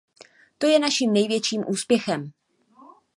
To je naším největším úspěchem.